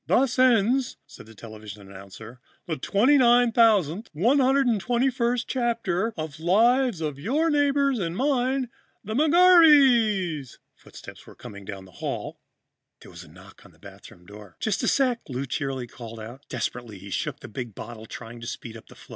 "Thus ends," said the television announcer, "the 29,121st chapter in the life of your neighbors and mine, the McGarveys." Footsteps were coming down the hall. There was a knock on the bathroom door. "Just a sec," Lou cheerily called out. Desperately, he shook the big bottle, trying to speed up the flow.